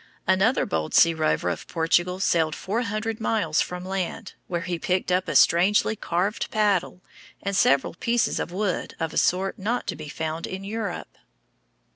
Another bold sea rover of Portugal sailed four hundred miles from land, where he picked up a strangely carved paddle and several pieces of wood of a sort not to be found in Europe.